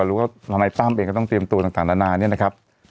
หรือว่าทนายตั้มเองก็ต้องเตรียมตัวต่างนานาเนี่ยนะครับ